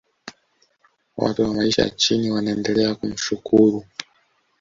watu wa maisha ya chini wanaendelea kumshukuru